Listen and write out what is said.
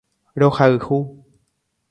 Rohayhu.